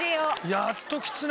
やっときつね